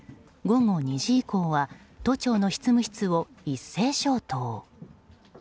午後２時以降は都庁の執務室を一斉消灯。